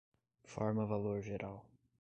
Forma-valor geral